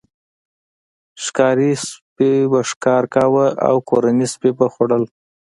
ښکاري سپي به ښکار کاوه او کورني سپي به خوړل.